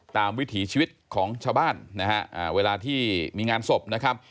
วิถีชีวิตของชาวบ้านนะฮะเวลาที่มีงานศพนะครับ